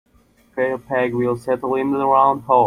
The square peg will settle in the round hole.